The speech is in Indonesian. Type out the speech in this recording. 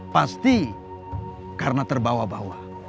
pasti karena terbawa bawa